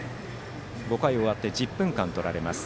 ５回が終わって１０分間、とられます。